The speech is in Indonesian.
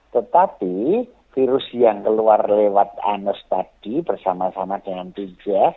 tetapi virus yang keluar lewat anus tadi bersama sama dengan binjas